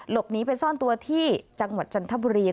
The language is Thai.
หลบหนีไปซ่อนตัวที่จังหวัดจันทบุรี